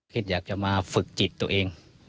อยากจะมาฝึกจิตตัวเอง